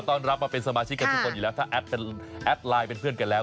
ต้อนรับมาเป็นสมาชิกกันทุกคนอยู่แล้วถ้าแอดไลน์เป็นเพื่อนกันแล้ว